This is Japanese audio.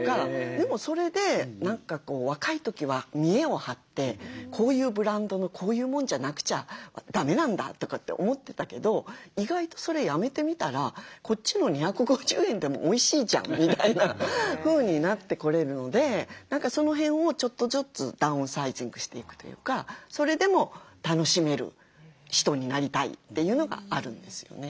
でもそれで若い時は見えを張ってこういうブランドのこういうもんじゃなくちゃだめなんだとかって思ってたけど意外とそれやめてみたらこっちの２５０円でもおいしいじゃんみたいなふうになってこれるのでその辺をちょっとずつダウンサイジングしていくというかそれでも楽しめる人になりたいというのがあるんですよね。